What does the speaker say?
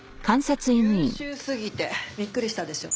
優秀すぎてびっくりしたでしょ。